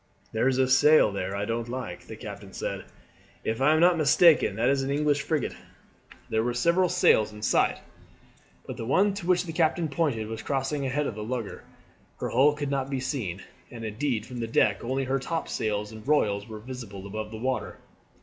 "There is a sail there I don't like," the captain said. "If I am not mistaken that is an English frigate." There were several sails in sight, but the one to which the captain pointed was crossing ahead of the lugger. Her hull could not be seen, and indeed from the deck only her topsails and royals were visible above the water.